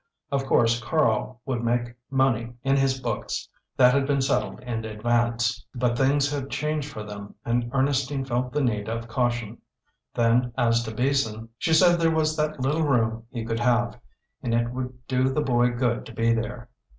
Of course Karl would make money in his books that had been settled in advance, but things had changed for them, and Ernestine felt the need of caution. Then as to Beason, she said there was that little room he could have, and it would do the boy good to be there.